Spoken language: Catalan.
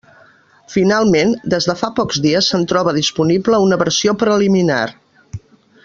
Finalment, des de fa pocs dies se'n troba disponible una versió preliminar.